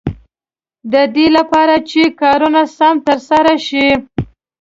د دې لپاره چې کارونه سم تر سره شي.